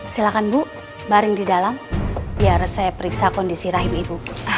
silahkan bu baring di dalam biar saya periksa kondisi rahim ibu